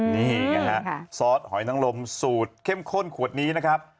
นี่ไงฮะซอสหอยนังลมสูตรเข้มข้นขวดนี้นะครับ